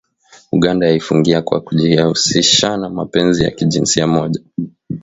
Uganda yaifungia kwa kujihusishanna mapenzi ya jinsia moja